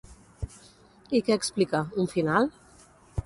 I què explica, Un final?